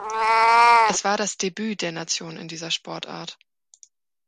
Es war das Debüt der Nation in dieser Sportart.